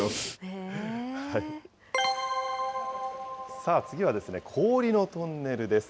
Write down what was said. さあ、次は氷のトンネルです。